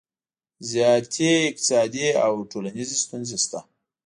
زیاتې اقتصادي او ټولنیزې ستونزې شته